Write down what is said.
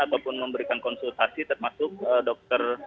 ataupun memberikan konsultasi termasuk dokter